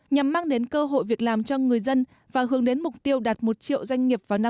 nhằm mang đến cơ hội việc làm cho người dân và hướng đến mục tiêu đạt một triệu doanh nghiệp vào năm hai nghìn ba mươi